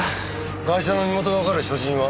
ガイシャの身元がわかる所持品は？